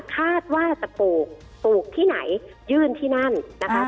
คาดว่าจะปลูกปลูกที่ไหนยื่นที่นั่นนะคะ